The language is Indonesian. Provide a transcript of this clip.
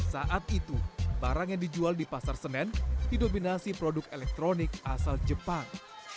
saat itu barang yang dijual di pasar senen didominasi produk elektronik asal jepang